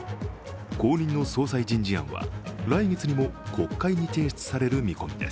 後任の総裁人事案は、来月にも国会に提出される見込みです。